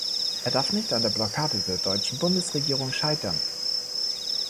Er darf nicht an der Blockade der deutschen Bundesregierung scheitern.